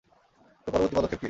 তো পরবর্তী পদক্ষেপ কি?